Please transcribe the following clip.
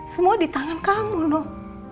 semua di tangan kamu loh